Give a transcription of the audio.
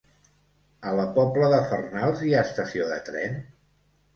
A la Pobla de Farnals hi ha estació de tren?